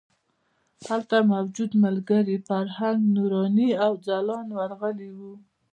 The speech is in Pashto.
هلته موجود ملګري فرهنګ، نوراني او ځلاند ورغلي وو.